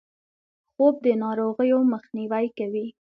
خوب د ناروغیو مخنیوی کوي